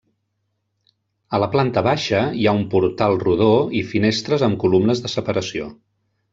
A la planta baixa hi ha un portal rodó i finestres amb columnes de separació.